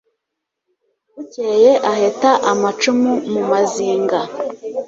Bukeye aheta amacumu mu Mazinga